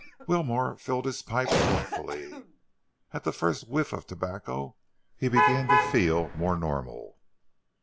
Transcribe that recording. Wilmore filled his pipe thoughtfully. At the first whiff of tobacco he began to feel more normal.